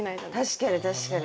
確かに確かに。